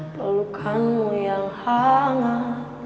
pelukanmu yang hangat